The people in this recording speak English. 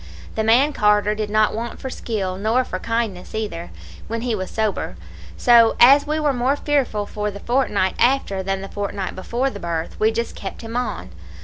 The man Carter did not want for skill, nor for kindness either, when he was sober; so, as we were more fearful for the fortnight after than the fortnight before the birth, we just kept him on.